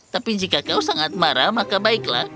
tapi jika kau sangat marah maka baiklah